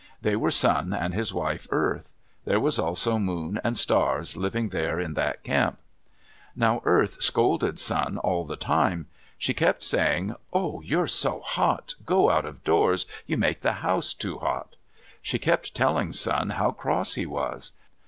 They were Sun and his wife Earth. There were also Moon and Stars living there in that camp. Now Earth scolded Sun all the time. She kept saying, "Oh, you're so hot! Go out of doors; you make the house too hot!" She kept telling Sun how cross he was.